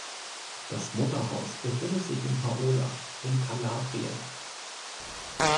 Das Mutterhaus befindet sich in Paola, in Kalabrien.